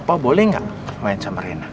opa boleh gak main sama rena